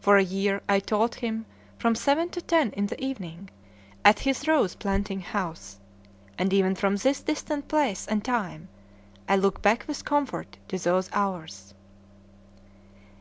For a year I taught him, from seven to ten in the evening, at his "Rose planting House"; and even from this distant place and time I look back with comfort to those hours.